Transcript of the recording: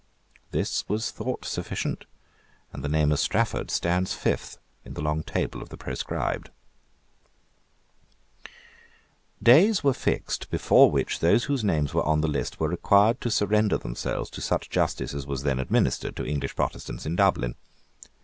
This was thought sufficient, and the name of Strafford stands fifth in the long table of the proscribed, Days were fixed before which those whose names were on the list were required to surrender themselves to such justice as was then administered to English Protestants in Dublin.